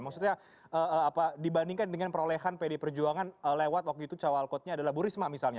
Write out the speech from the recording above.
maksudnya dibandingkan dengan perolehan pd perjuangan lewat waktu itu cawal kodnya adalah burisma misalnya